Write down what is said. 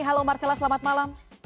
halo marcella selamat malam